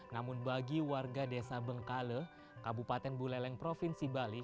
namun bagi warga desa bengkale kabupaten buleleng provinsi bali